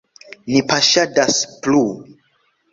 Ni paŝadas plu.